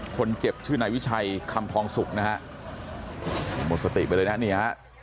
คนเจ็บชื่อนายวิชัยคำทองสุกนะฮะหมดสติไปเลยนะนี่ฮะ